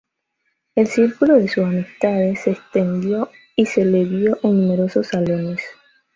El círculo de sus amistades se extendió y se le vio en numerosos salones.